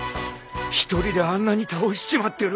一人であんなに倒しちまってる。